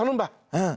うん。